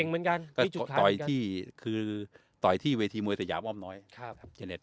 เก่งเหมือนกันก็ต่อยที่คือต่อยที่เวทีมวยแต่อย่ามอบน้อยครับ